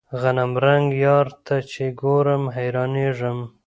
غنمرنګ يار ته چې ګورم حيرانېږم.